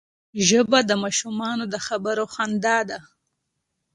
ژبه د ماشومانو د خبرو خندا ده